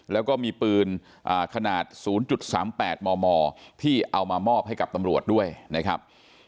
แล้วก็มีปืนขนาด๐๓๘มมที่เอามามอบให้กับตำรวจด้วยนะครับ